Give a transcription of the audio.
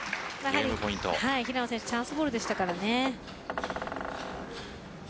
平野選手チャンスボールでしたからね。